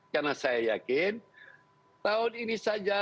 karena saya yakin tahun ini saja